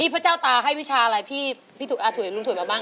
นี่พระเจ้าตาให้วิชาอะไรพี่ถุ่ยมาบ้าง